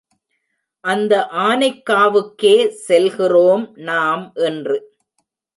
அந்த ஆனைக்காவுக்கே செல்கிறோம் நாம் இன்று.